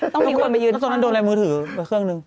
ต้องมีคนไปยืนตอนนั้นโดนอะไรมือถือเครื่องนึง